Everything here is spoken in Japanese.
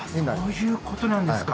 そういうことなんですか。